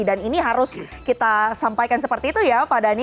dan ini harus kita sampaikan seperti itu ya pak dhani